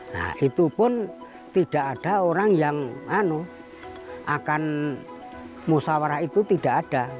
nah itu pun tidak ada orang yang akan musawarah itu tidak ada